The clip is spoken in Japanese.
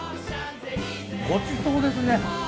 ごちそうですね。